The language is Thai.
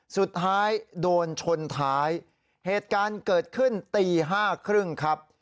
สุดท้ายโดนชนท้ายเหตุการณ์เกิดขึ้นตี๕๓๐ครับ